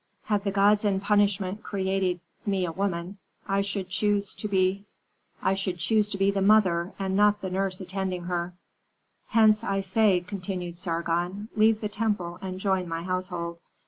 Had the gods in punishment created me a woman, I should choose to be the mother and not the nurse attending her." "Hence I say," continued Sargon, "leave the temple and join my household.